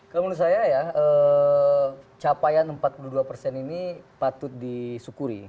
kalau menurut saya ya capaian empat puluh dua persen ini patut disyukuri